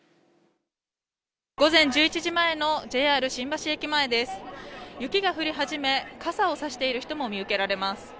午前１１時前のＪＲ新橋駅前です。